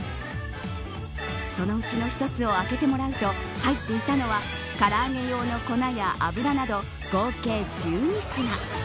そのうちの一つを開けてもらうと入っていたのは唐揚げ用の粉や油など合計１２品。